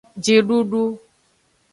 Jidudu.